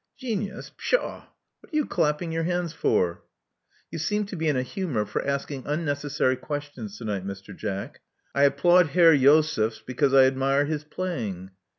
Genius! Pshaw! What are you clapping your hands for?" *'You seem to be in a humor for asking unnecessary questions to night, Mr. Jack. I applaud Herr Josefs because I admire his playing.